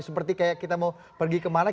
seperti kayak kita mau pergi kemana